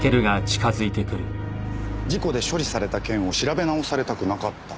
事故で処理された件を調べ直されたくなかった。